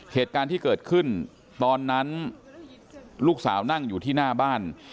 เหตุการณ์ที่เกิดขึ้นตอนนั้นลูกสาวนั่งอยู่ที่หน้าบ้าน